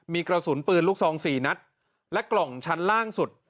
มีกระสุนปืนลูกซอง๔นัดและกล่องชั้นล่างสุด